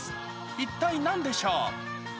一体なんでしょう？